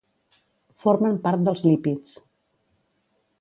Formen part dels lípids.